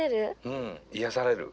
うん癒やされる。